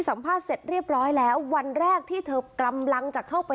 สัมภาษณ์เสร็จเรียบร้อยแล้ววันแรกที่เธอกำลังจะเข้าไป